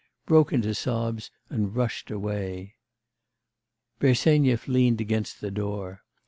broke into sobs and rushed away. Bersenyev leaned against the door.